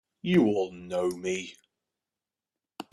You all know me!